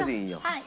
はい。